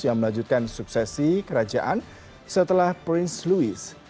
yang melanjutkan suksesi kerajaan setelah prince louis